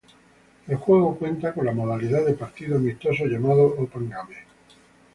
El juego cuenta con la modalidad de partido amistoso llamado Open Game.